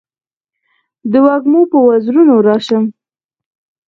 د وږمو په وزرونو راشم